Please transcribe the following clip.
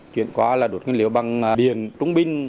chuyển qua là đột nguyên liệu bằng biển trung binh